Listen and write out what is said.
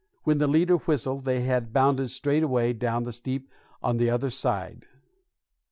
When the leader whistled they had bounded straightaway down the steep on the other side.